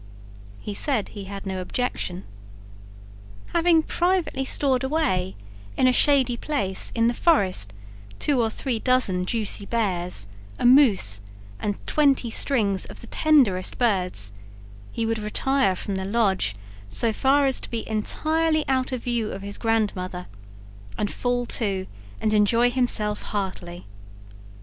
He said he had no objection. Having privately stored away in a shady place in the forest two or three dozen juicy bears, a moose, and twenty strings of the tenderest birds, he would retire from the lodge so far as to be entirely out of view of his grandmother and fall to and enjoy himself heartily.